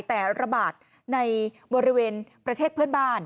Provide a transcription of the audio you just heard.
แต่ระบาดในบริเวณประเทศเพื่อนบ้าน